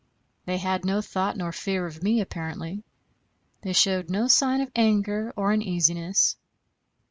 They had no thought nor fear of me apparently; they showed no sign of anger or uneasiness.